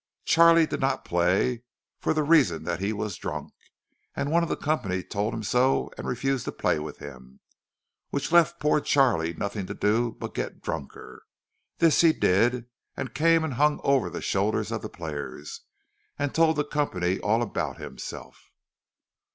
Charlie did not play, for the reason that he was drunk, and one of the company told him so and refused to play with him; which left poor Charlie nothing to do but get drunker. This he did, and came and hung over the shoulders of the players, and told the company all about himself.